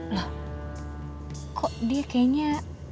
lah kok dia kayaknya